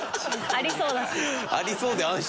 ありそうだし。